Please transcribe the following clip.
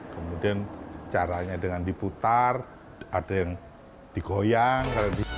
kemudian caranya dengan diputar ada yang digoyang